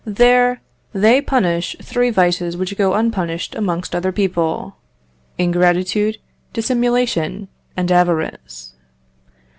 there they punish three vices which go unpunished amongst other people ingratitude, dissimulation, and avarice.